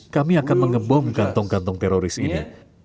kami akan mengebom kantong kantong teroris ini